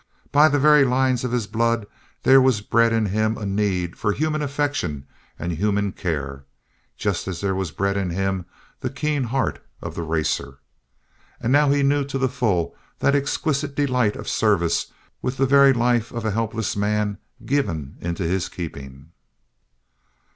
By the very lines of his blood there was bred in him a need for human affection and human care, just as there was bred in him the keen heart of the racer. And now he knew to the full that exquisite delight of service with the very life of a helpless man given into his keeping.